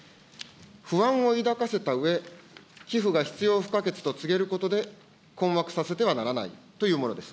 不安を抱かせたうえ、寄付が必要不可欠と告げることで、困惑させてはならないというものです。